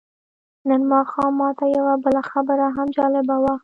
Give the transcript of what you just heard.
نن ماښام ماته یوه بله خبره هم جالبه وه.